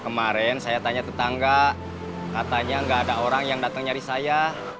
kemarin saya tanya tetangga katanya nggak ada orang yang datang nyari saya